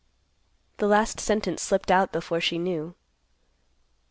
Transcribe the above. The last sentence slipped out before she knew.